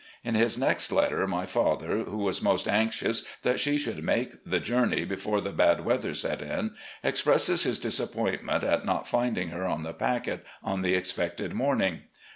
In his next letter, my father, who was most anxious that she shotild make the journey before the bad weather set in, expresses his disappoint ment at not finding her on the packet on the expected morning.